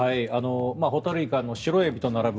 ホタルイカはシロエビと並ぶ